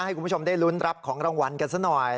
ให้คุณผู้ชมได้ลุ้นรับของรางวัลกันซะหน่อย